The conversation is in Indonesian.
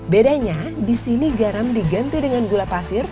bedanya di sini garam diganti dengan gula pasir